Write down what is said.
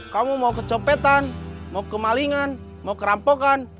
kamu mau kecopetan mau kemalingan mau kerampokan